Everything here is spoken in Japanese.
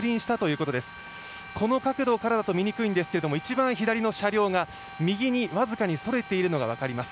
この角度からだと見にくいんですが、一番左の車両が右に、わずかにそれているのが分かります。